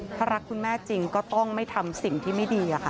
ถ้ารักคุณแม่จริงก็ต้องไม่ทำสิ่งที่ไม่ดีค่ะ